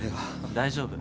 大丈夫。